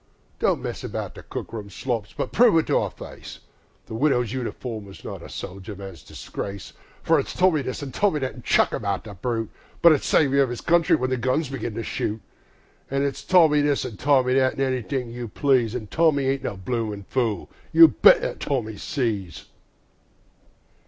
Don't mess about the cook room slops, but prove it to our face The Widow's Uniform is not the soldier man's disgrace. For it's Tommy this, an' Tommy that, an' "Chuck him out, the brute!" But it's "Saviour of 'is country" when the guns begin to shoot; An' it's Tommy this, an' Tommy that, an' anything you please; An' Tommy ain't a bloomin' fool you bet that Tommy sees!